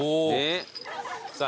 さあ